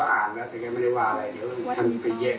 แฟนข้าอ่านล่ะแต่ก็ไม่ได้ว่าอะไรเดี๋ยวทำไปเย็น